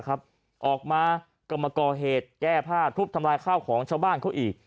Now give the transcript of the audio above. ออกมาก็มาก่อเหตุแก้ผ้าทุบทำลายข้าวของชาวบ้านเขาอีก